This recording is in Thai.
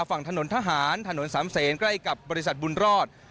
ฝั่งถนนทหารถนนสามเศษใกล้กับบริษัทบุญรอด